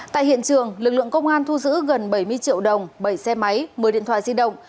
tại hiện trường lực lượng công an thu giữ gần bảy mươi triệu đồng bảy xe máy một mươi điện thoại di động